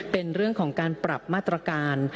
เป็นเรื่องของการปรับมาตรการ